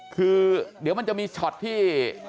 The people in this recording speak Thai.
คือเดี๋ยวมันจะมีช็อตที่